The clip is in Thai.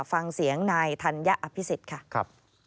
ฟังเสียงนายธัญอภิษฎค่ะ